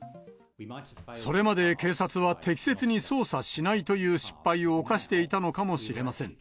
それまで警察は適切に捜査しないという失敗を犯していたのかもしれません。